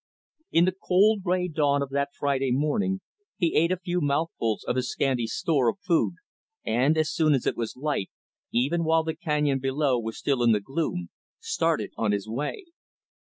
In the cold, gray dawn of that Friday morning, he ate a few mouthfuls of his scanty store of food and, as soon as it was light, even while the canyon below was still in the gloom, started on his way.